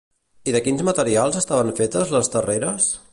I de quins materials estaven fetes les terreres?